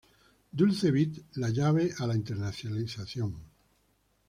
Dulce Beat, la llave a la internacionalización.